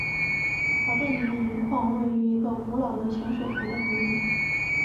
陶代尼的盐矿位于一个古老的咸水湖的湖底。